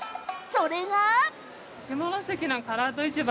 それが。